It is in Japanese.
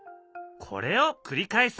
これを繰り返す。